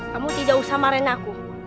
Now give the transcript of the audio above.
kamu tidak usah marahin aku